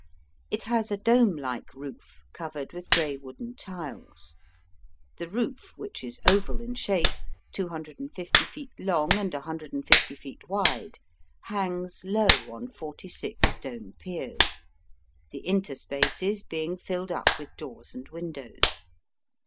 It has a dome like roof, covered with grey wooden tiles. The roof, which is oval in shape, 250 feet long, and 150 feet wide, hangs low on forty six stone piers, the interspaces being filled up with doors and windows.